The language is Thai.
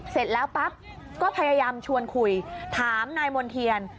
เสร็จแล้วปั๊บก็พยายามชวนคุยถามนายมณ์เทียน